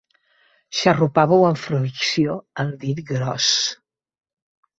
Xarrupàveu amb fruïció el dit gros.